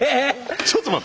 ちょっと待って。